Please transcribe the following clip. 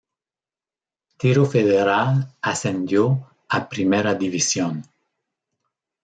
Tiro Federal ascendió a Primera División.